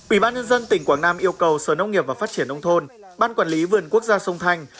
ủy ban nhân dân tỉnh quảng nam yêu cầu sở nông nghiệp và phát triển nông thôn ban quản lý vườn quốc gia sông thanh